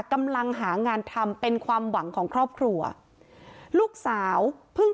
กำลังหางานทำเป็นความหวังของครอบครัวลูกสาวเพิ่ง